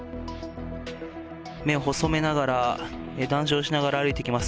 目を細めながら、談笑しながら歩いていきます。